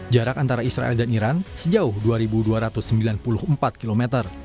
jarak antara israel dan iran sejauh dua dua ratus sembilan puluh empat km